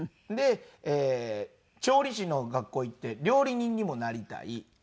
で調理師の学校行って料理人にもなりたい。